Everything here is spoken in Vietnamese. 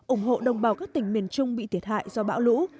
ủng hộ đồng bào các tỉnh miền trung bị thiệt hại do bão lũ